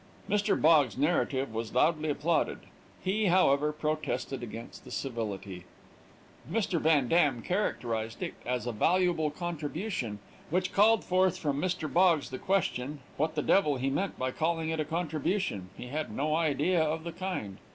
Mr. Boggs's narrative was loudly applauded. He, however, protested against the civility. Mr. Van Dam characterized it as a valuable contribution, which called forth from Mr. Boggs the question, "What the devil he meant by calling it a contribution; he had no idea of the kind."